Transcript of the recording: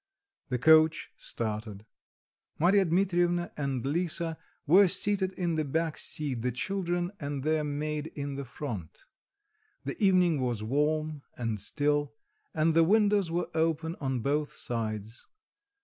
The coach started. Marya Dmitrievna and Lisa were seated in the back seat; the children and their maid in the front. The evening was warm and still, and the windows were open on both sides.